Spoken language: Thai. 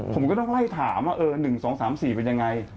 ผมก็ต้องไล่ถามว่า๑๒๓๔เป็นยังไง